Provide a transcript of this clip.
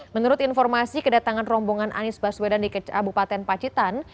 menurut informasi kedatangan rombongan anies baswedan di kabupaten pacitan